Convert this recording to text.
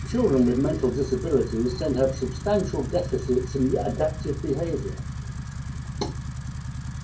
Children with mental disabilities tend to have substantial deficits in adaptive behavior.